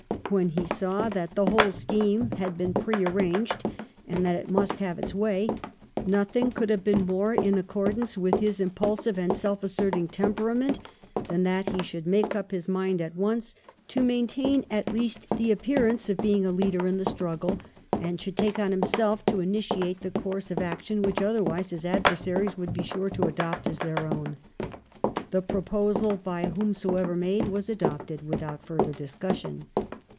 When he saw that the whole scheme had been prearranged, and that it must have its way, nothing could have been more in accordance with his impulsive and self asserting temperament than that he should make up his mind at once to maintain at 1714 ANNE GIVES THE STAFF. 365 least the appearance of being a leader in the struggle, and should take on himself to initiate the course of action which otherwise his adversaries would be sure to adopt as their own. The proposal, by whomsoever made, was adopted without further discussion.